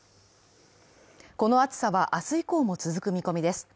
この暑さは明日以降も続く見込みです。